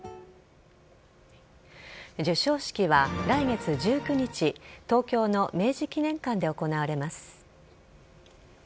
授賞式は来月１９日東京の明治記念館で行われます。